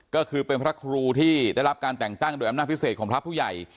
ก็คือเป็นพระครูที่ได้รับการแต่งตั้งโดยอำนาจพิเศษของพระผู้ใหญ่